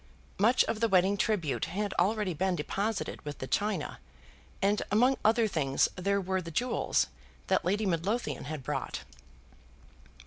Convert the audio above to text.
Much of the wedding tribute had already been deposited with the china, and among other things there were the jewels that Lady Midlothian had brought.